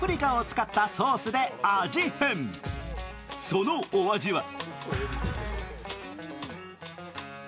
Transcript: そのお味は？